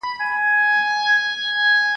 هر یو ټکی یې ګلګون دی نازوه مي !.